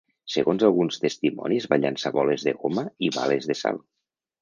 Segons alguns testimonis van llançar boles de goma i bales de sal.